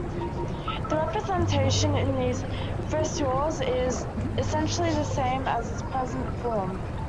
The representation in these frescoes is essentially the same as its present form.